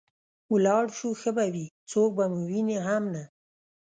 ولاړ شو ښه به وي، څوک به مو ویني هم نه.